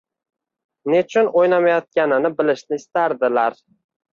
nechun o'ynamayotganini bilishni istardilar.